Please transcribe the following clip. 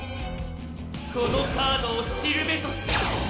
このカードをしるべとして。